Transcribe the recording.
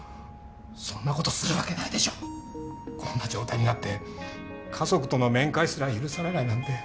そんなことするわけないでしょこんな状態になって家族との面会すら許されないなんて